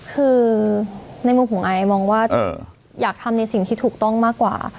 คือในมุมของไอมองว่าอยากทำในสิ่งที่ถูกต้องมากกว่า